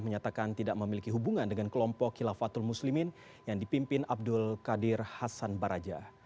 menyatakan tidak memiliki hubungan dengan kelompok khilafatul muslimin yang dipimpin abdul qadir hasan baraja